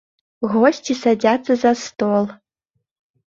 Госці садзяцца за стол.